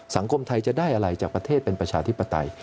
สังคมไทยจะได้อะไรจากประเทศเป็นประชาธิปไตย